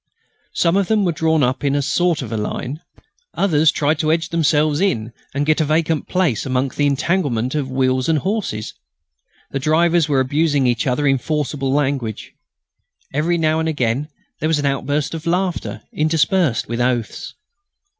Some of them were drawn up in some sort of a line. Others tried to edge themselves in and get a vacant place among the entanglement of wheels and horses. The drivers were abusing each other in forcible language. Every now and again there was an outburst of laughter interspersed with oaths.